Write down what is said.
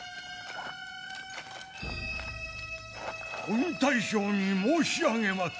御大将に申し上げます。